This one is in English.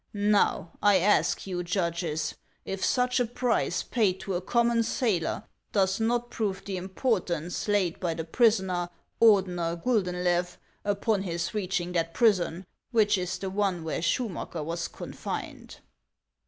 Xow I ask you, judges, if such a 29 450 HANS OF ICELAND. price paid to a common sailor does not prove the impor tance laid by the prisoner, Ordener Guldeulew, upon his reaching that prison, which is the one where Schumacker was confined